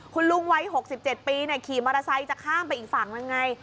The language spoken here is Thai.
คุณลุงวัย๖๗ปีขี่มอเตอร์ไซค์จะข้ามไปอีกฝั่งนึงไง